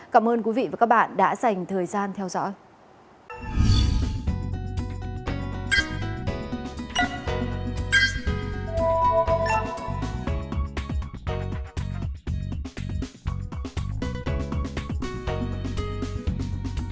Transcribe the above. cảm ơn quý vị và các bạn đã dành thời gian theo dõi